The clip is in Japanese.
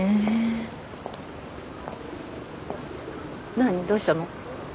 何どうしたの？